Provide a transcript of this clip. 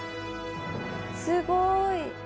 すごい。